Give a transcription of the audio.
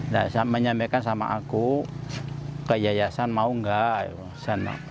dia menyampaikan sama aku ke yayasan mau enggak